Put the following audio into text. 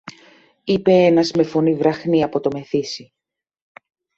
είπε ένας με φωνή βραχνή από το μεθύσι.